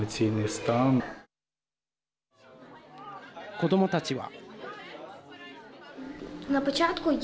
子どもたちは。